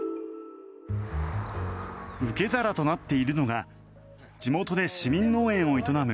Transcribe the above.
受け皿となっているのが地元で市民農園を営む